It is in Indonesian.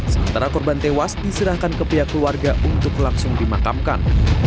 sementara korban tewas diserahkan ke pihak keluarga untuk langsung dimakamkan